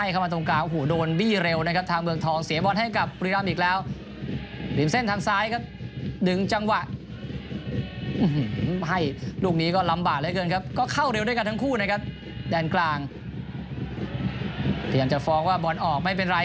ก็สกัดได้ดีครับนรรงชัยสิงธรรมครับหมายเป็น๖